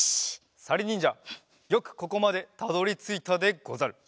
さりにんじゃよくここまでたどりついたでござる。